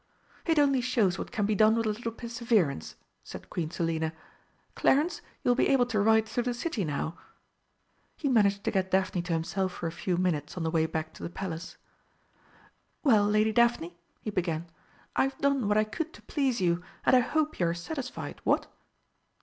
"It only shows what can be done with a little perseverance," said Queen Selina. "Clarence, you will be able to ride through the City now!" He managed to get Daphne to himself for a few minutes on the way back to the Palace. "Well, Lady Daphne," he began, "I've done what I could to please you, and I hope you are satisfied, what?"